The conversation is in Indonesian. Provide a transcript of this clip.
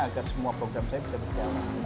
agar semua program saya bisa berjalan